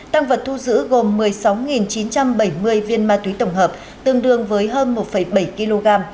tăng vật thu giữ gồm một mươi sáu chín trăm bảy mươi viên ma túy tổng hợp tương đương với hơn một bảy kg